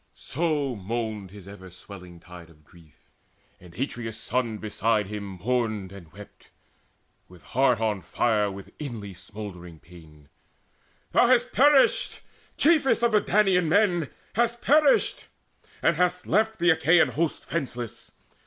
So moaned his ever swelling tide of grief. And Atreus' son beside him mourned and wept With heart on fire with inly smouldering pain: "Thou hast perished, chiefest of the Danaan men, Hast perished, and hast left the Achaean host Fenceless!